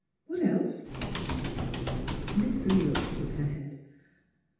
What else? " Miss Philura shook her head.